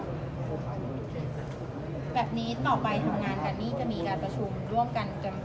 แบบนี้ต่อไปทำงานกันนี่จะมีการประชุมร่วมกันกัน